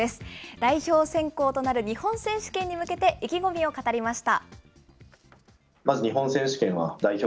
代表選考となる日本選手権に向けて、意気込みを語りました。